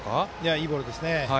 いいボールですね。